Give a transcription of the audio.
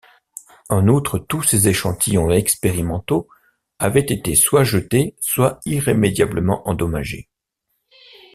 En outre, tous ses échantillons expérimentaux avaient été soit jetés soit irrémédiablement endommagés.